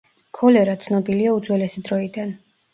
ქოლერა ცნობილია უძველესი დროიდან.